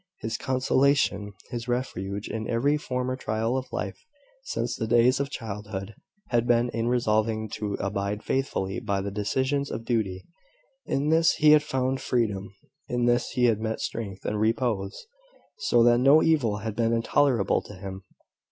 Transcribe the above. His consolation, his refuge in every former trial of life, since the days of childhood, had been in resolving to abide faithfully by the decisions of duty. In this he had found freedom; in this he had met strength and repose, so that no evil had been intolerable to him.